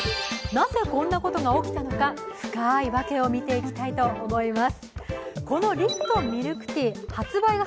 なぜ、こんなことが起きたのか、深い訳を見ていきたいと思います。